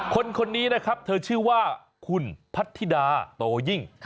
คนนี้นะครับเธอชื่อว่าคุณพัทธิดาโตยิ่ง